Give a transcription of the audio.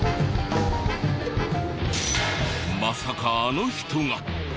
まさかあの人が。